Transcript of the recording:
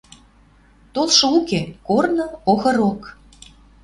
Толшы уке, корны охырок.